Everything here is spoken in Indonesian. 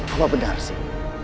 apa benar sih